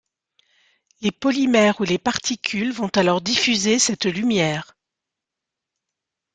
Les polymères ou les particules vont alors diffuser cette lumière.